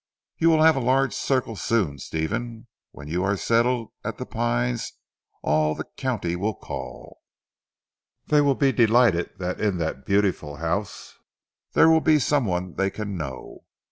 "You will have a large circle soon Stephen. When you are settled at 'The Pines,' all the county will call. They will be delighted that in that beautiful house, there will be some one they can know.